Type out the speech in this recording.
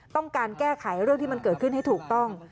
ต้องการแก้ไขเรื่องที่มันเกิดขึ้นให้ถูกต้อง